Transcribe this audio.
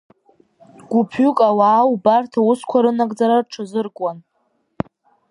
Гәыԥҩык ауаа убарҭ аусқәа рынагӡара рҽазыркуан.